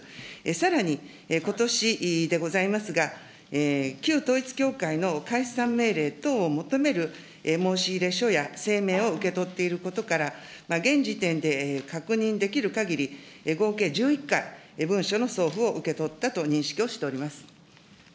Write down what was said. さらに、ことしでございますが、旧統一教会の解散命令等を求める申し入れ書や声明を受け取っていることから、現時点で確認できるかぎり、合計１１回、文書の送付を受け取ったと認識をしております。